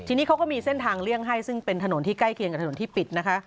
ทีนี้เขาก็มีเส้นทางเลี่ยงให้ซึ่งเป็นถนนที่ใกล้เคียงกับถนนที่ปิดนะคะ